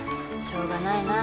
しょうがないな。